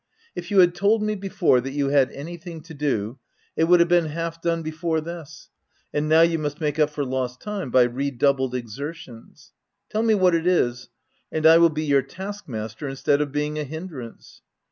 If you had told me, before, that you had anything to do, it would have been half done before this ; and now you must make up for lost time by redoubled exertions. Tell me what it is ; and I will b e your taskmaster, instead of being a hindrance."